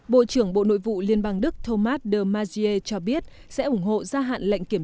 bộ trưởng bộ nội vụ liên bang đức thomas de majie cho biết sẽ ủng hộ gia hạn lệnh kiểm